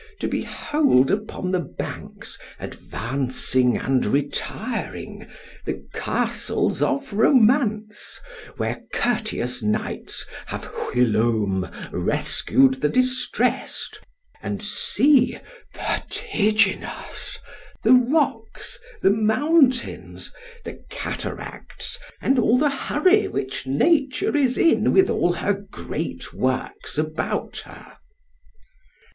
to behold upon the banks advancing and retiring, the castles of romance, whence courteous knights have whilome rescued the distress'd——and see vertiginous, the rocks, the mountains, the cataracts, and all the hurry which Nature is in with all her great works about her.